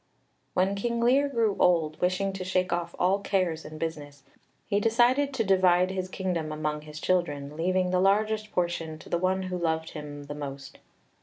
When King Lear grew old, wishing to shake off all cares and business, he decided to divide his kingdom among his children, leaving the largest portion to the one who loved him the most.